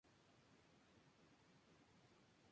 La investigación judicial tuvo muchas irregularidades.